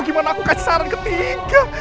gimana aku kasih saran ketiga